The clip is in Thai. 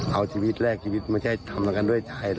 เอาชีวิตแรกชีวิตไม่ใช่ทำประกันด้วยใจนะ